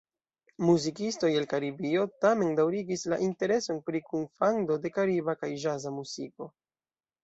Muzikistoj el Karibio tamen daŭrigis la intereson pri kunfando de kariba kaj ĵaza muzikoj.